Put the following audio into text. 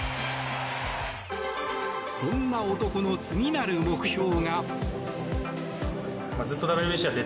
そんな男の次なる目標が。